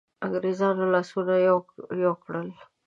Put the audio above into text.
انګرېزانو لاسونه یو کړل.